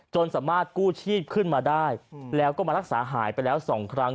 สามารถกู้ชีพขึ้นมาได้แล้วก็มารักษาหายไปแล้ว๒ครั้ง